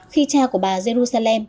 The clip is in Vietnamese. khi cha của bà jerusalem